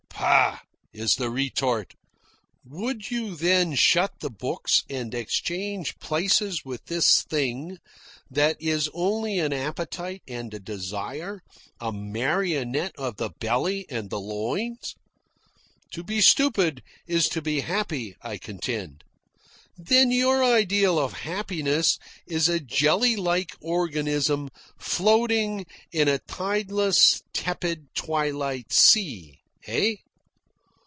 "Pah!" is the retort. "Would you then shut the books and exchange places with this thing that is only an appetite and a desire, a marionette of the belly and the loins?" "To be stupid is to be happy," I contend. "Then your ideal of happiness is a jelly like organism floating in a tideless, tepid twilight sea, eh?"